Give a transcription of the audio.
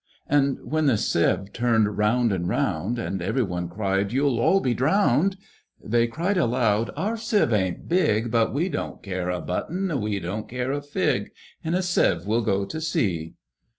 And when the Sieve turned round and round, And every one cried, "You'll all be drowned!" They cried aloud, "Our Sieve ain't big, But we don't care a button, we don't care a fig! In a Sieve we'll go to sea!"